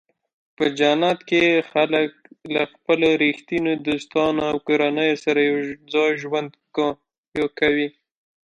په جنت کې خلک له خپلو رښتینو دوستانو او کورنیو سره یوځای ژوند کوي.